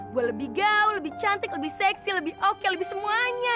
gue lebih gau lebih cantik lebih seksi lebih oke lebih semuanya